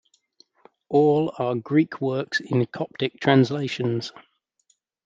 All are Greek works in Coptic translations.